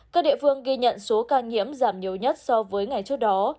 các địa phương ghi nhận số ca nhiễm giảm nhiều nhất so với ngày trước đó